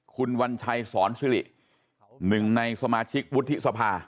คุณวัญชัยสอนซิริหนึ่งในสมาชิกวุฒิสภา